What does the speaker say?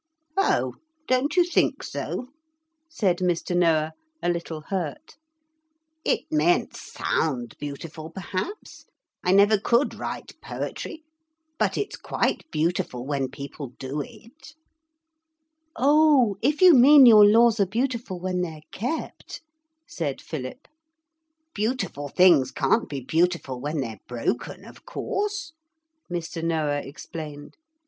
'Oh, don't you think so?' said Mr. Noah, a little hurt; 'it mayn't sound beautiful perhaps I never could write poetry but it's quite beautiful when people do it.' 'Oh, if you mean your laws are beautiful when they're kept,' said Philip. 'Beautiful things can't be beautiful when they're broken, of course,' Mr. Noah explained.